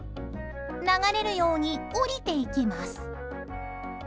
流れるように降りていきます。